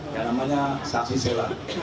yang namanya saffi sela